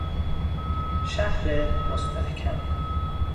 شهر مستحکم